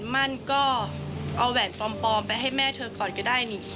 มั่นก็เอาแหวนปลอมไปให้แม่เธอก่อนก็ได้นี่